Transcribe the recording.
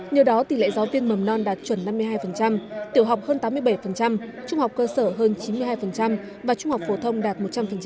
nhờ đó tỷ lệ giáo viên mầm non đạt chuẩn năm mươi hai tiểu học hơn tám mươi bảy trung học cơ sở hơn chín mươi hai và trung học phổ thông đạt một trăm linh